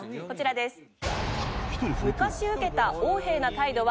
こちらです。